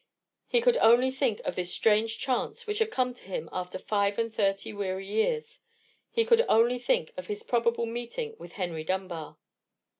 He could only think of this strange chance which had come to him after five and thirty weary years. He could only think of his probable meeting with Henry Dunbar.